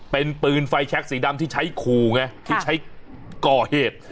เป็นปืนไฟแช็คสีดำที่ใช้ขู่ไงที่ใช้ก่อเหตุ